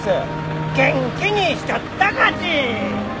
元気にしちょったかち！